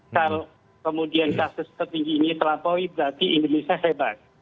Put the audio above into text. kalau kemudian kasus tertinggi ini terlampaui berarti indonesia hebat